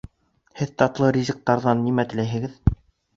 Һеҙ татлы ризыҡтарҙан нимә теләйһегеҙ?